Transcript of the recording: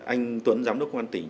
anh tuấn giám đốc công an tỉnh